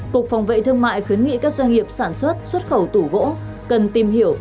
cục phòng vệ thương mại khuyến nghị các doanh nghiệp sản xuất xuất khẩu tủ gỗ cần tìm hiểu